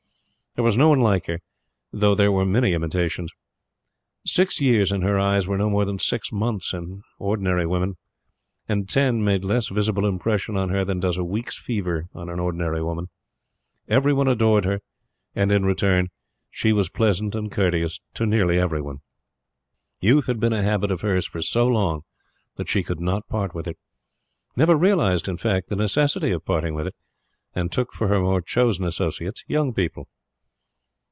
There was no one like her, though there were many imitations. Six years in her eyes were no more than six months to ordinary women; and ten made less visible impression on her than does a week's fever on an ordinary woman. Every one adored her, and in return she was pleasant and courteous to nearly every one. Youth had been a habit of hers for so long, that she could not part with it never realized, in fact, the necessity of parting with it and took for her more chosen associates young people.